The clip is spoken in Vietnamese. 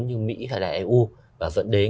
như mỹ hay là eu và dẫn đến